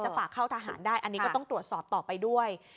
ฝากเข้าทหารได้อันนี้ก็ต้องตรวจสอบต่อไปด้วย